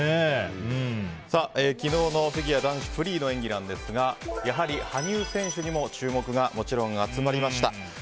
昨日のフィギュア男子フリーの演技なんですが羽生選手にも注目がもちろん集まりました。